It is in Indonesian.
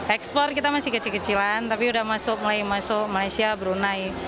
ekspor kita masih kecil kecilan tapi sudah masuk mulai masuk malaysia brunei